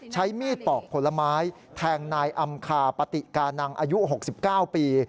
ใช้มีดปอกผลไม้แทงนายอำคาปฏิกานังอายุ๖๙ปี